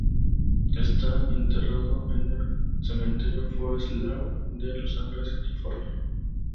Está enterrado en el cementerio Forest Lawn de Los Angeles, California.